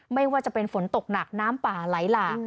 ไม่ว่าจะเป็นฝนตกหนักน้ำป่าไหลหลาก